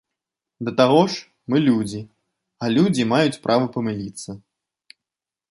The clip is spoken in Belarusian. Да таго ж, мы людзі, а людзі маюць права памыліцца.